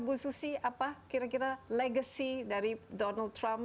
bu susi apa kira kira legacy dari donald trump